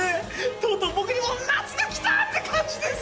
とうとう僕にも夏が来た！って感じです。